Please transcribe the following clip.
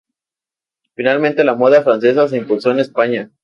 Finalmente la moda francesa se impuso en España.